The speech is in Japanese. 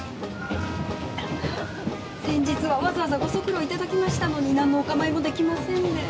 先日はわざわざご足労頂きましたのになんのお構いも出来ませんで。